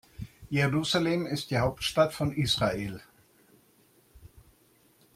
Jerusalem ist die Hauptstadt von Israel.